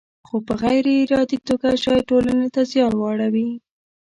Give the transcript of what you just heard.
خو په غیر ارادي توګه شاید ټولنې ته زیان واړوي.